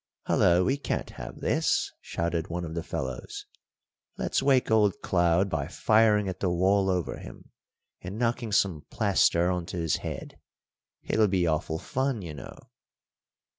"Hallo, we can't have this!" shouted one of the fellows. "Let's wake old Cloud by firing at the wall over him and knocking some plaster on to his head. It'll be awful fun, you know."